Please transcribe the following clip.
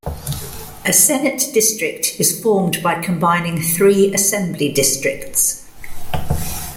A Senate district is formed by combining three Assembly districts.